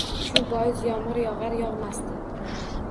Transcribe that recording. Shu bois yomg‘ir yog‘ar-yog‘masdi.